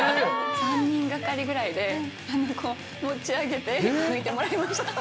３人がかりくらいで、こう、持ち上げて、抜いてもらいました。